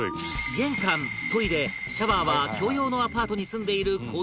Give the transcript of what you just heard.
玄関トイレシャワーは共用のアパートに住んでいるこの方